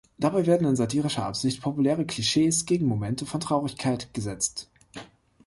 Dabei werden in satirischer Absicht populäre Klischees gegen Momente von Traurigkeit gesetzt.